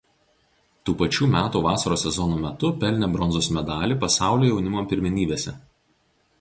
Tų pačių metų vasaros sezono metu pelnė bronzos medalį pasaulio jaunimo pirmenybėse.